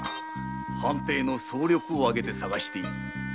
藩邸の総力をあげて捜している。